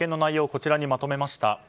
こちらにまとめました。